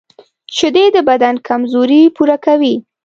شیدې د بدن کمزوري پوره کوي